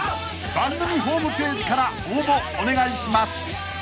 ［番組ホームページから応募お願いします］